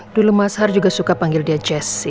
dulu mas har juga suka panggil dia jazz